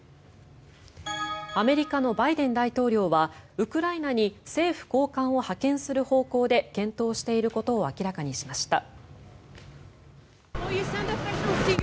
アメリカのバイデン大統領はウクライナに政府高官を派遣する方向で検討していることを明らかにしました。